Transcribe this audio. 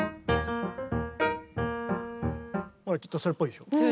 ちょっとそれっぽいでしょ。